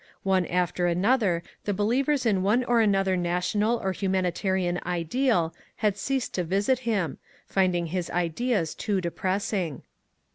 One after another the believ ers in one or another national or humanitarian ideal had ceased to visit him, finding his ideas too depressing.